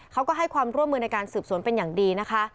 เขาก็ให้ความร่วมมือในการสืบสวนเป็นอย่างดีนะคะ